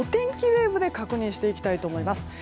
ウェーブで確認していきたいと思います。